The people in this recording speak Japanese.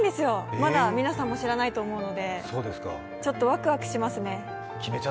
まだ皆さんも知らないと思うのでちょっとワクワクしますね。